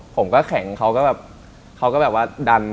ผมก็แข็งเขาก็แบบดัน